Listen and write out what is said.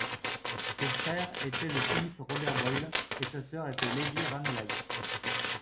Son frère était le chimiste Robert Boyle, et sa sœur était Lady Ranelagh.